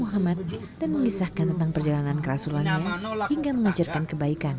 muhammad dan mengisahkan tentang perjalanan kerasulannya hingga mengajarkan kebaikan